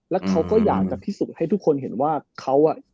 แล้วเขาก็อยากจะพิสูจน์ให้ทุกคนเห็นว่าเขา